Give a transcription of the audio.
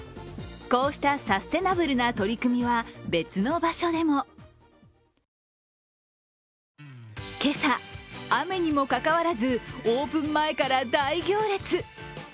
こうしたサステイナブルな取り組みは別の場所でも今朝、雨にもかかわらず、オープン前から大行列。